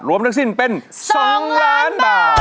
ทั้งสิ้นเป็น๒ล้านบาท